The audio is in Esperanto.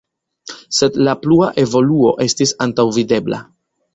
Sed la plua evoluo estis antaŭvidebla.